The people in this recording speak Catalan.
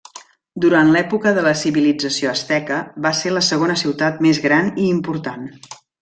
Durant l'època de la civilització asteca, va ser la segona ciutat més gran i important.